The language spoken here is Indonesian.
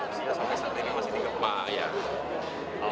usia sampai saat ini masih tiga tahun